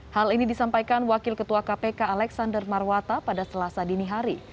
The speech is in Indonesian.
hal ini disampaikan wakil ketua kpk alexander marwata pada selasa dini hari